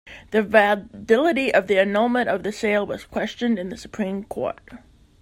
The validity of the annulment of the sale was questioned in the Supreme Court.